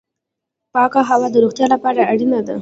پاکه هوا د روغتیا لپاره اړینه ده